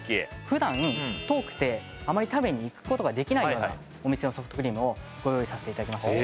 普段遠くてあまり食べに行くことができないようなお店のソフトクリームをご用意させていただきました